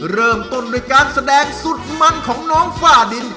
เริ่มต้นด้วยการแสดงสุดมันของน้องฝ้าดิน